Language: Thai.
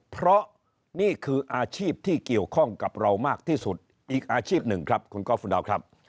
เพราะนี่คืออาชีพที่เกี่ยวข้องกับเรามากที่สุดอีกอาชีพหนึ่งครับคุณก๊อฟคุณดาวครับ